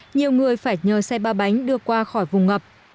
nhiều người phải nhờ xe ba bánh đưa qua khỏi vùng ngập